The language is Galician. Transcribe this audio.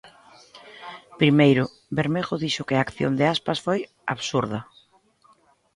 Primeiro, Bermejo dixo que acción de Aspas foi "absurda".